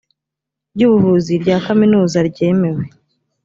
ry ubuvuzi rya kaminuza ryemewe